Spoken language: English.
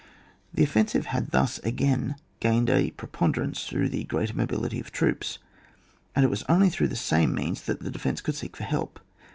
The offensive had thus again gained a preponderance through the greater mo bility of troops ; and it was only through the same means that the defence could seek for help.